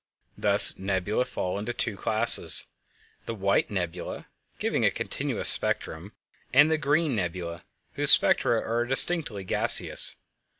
Thus nebulæ fall into two classes: the "white" nebulæ, giving a continuous spectrum; and the "green" nebulæ whose spectra are distinctly gaseous.